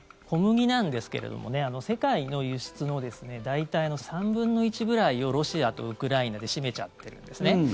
小麦なんですけれど世界の輸出の大体の３分の１ぐらいをロシアとウクライナで占めちゃっているんですね。